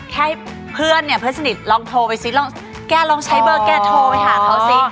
แค่เพื่อนเนี่ยเพื่อนสนิทลองโทรไปซิลองแกลองใช้เบอร์แกโทรไปหาเขาสิ